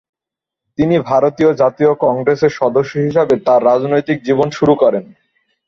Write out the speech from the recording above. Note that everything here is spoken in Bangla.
তিনি ভারতীয় জাতীয় কংগ্রেসের সদস্য হিসেবে তাঁর রাজনৈতিক জীবন শুরু করেন।